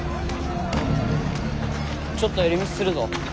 ちょっと寄り道するぞ。